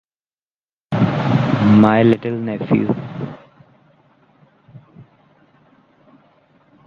my little nephew